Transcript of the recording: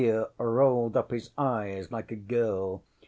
ŌĆØ Rahere rolled up his eyes like a girl.